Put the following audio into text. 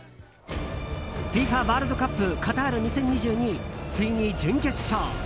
ＦＩＦＡワールドカップカタール２０２２、ついに準決勝。